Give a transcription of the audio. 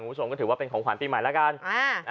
คุณผู้ชมก็ถือว่าเป็นของขวัญปีใหม่แล้วกัน